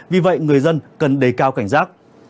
vì vậy người dân cần đề cao cảnh giác